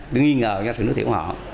cứ nghi ngờ cho thử nước tiểu của họ